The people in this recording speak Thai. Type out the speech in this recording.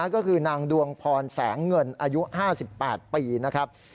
ก็คือนางดวงพรแสงเงินอายุ๕๘ปีนะครับ